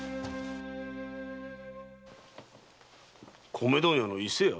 米問屋の伊勢屋？